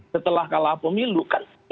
setelah kalah pemilu kan hilang namanya